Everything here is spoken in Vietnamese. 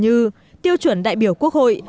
như tiêu chuẩn đại biểu quốc hội